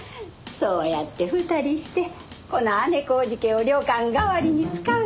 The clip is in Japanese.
そうやって２人してこの姉小路家を旅館代わりに使うとは。